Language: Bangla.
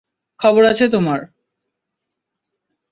খবর আছে তোমার।